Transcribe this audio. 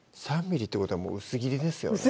３ｍｍってことはもう薄切りですよね